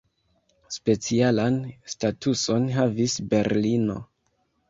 Specialan statuson havis Berlino.